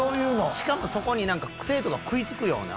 しかもそこに生徒が食い付くような。